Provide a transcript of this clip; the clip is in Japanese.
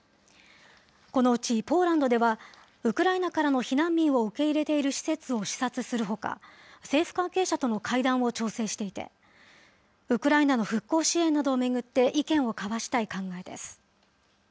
このうちポーランドでは、ウクライナからの避難民を受け入れている施設を視察するほか、政府関係者との会談を調整していて、ウクライナの復興支援などを巡って意見を交わしたい考えです。